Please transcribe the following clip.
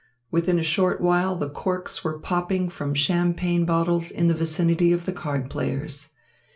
Within a short while the corks were popping from champagne bottles in the vicinity of the card players.